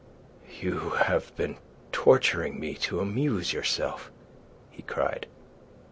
"You have been torturing me to amuse yourself!" he cried.